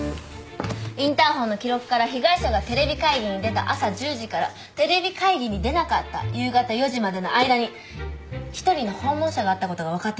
インターホンの記録から被害者がテレビ会議に出た朝１０時からテレビ会議に出なかった夕方４時までの間に一人の訪問者があったことが分かっています。